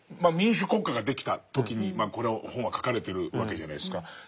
民主国家が出来た時にこの本は書かれてるわけじゃないですか。